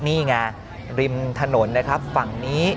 นี่ไงริมถนนนะครับฝั่งนี้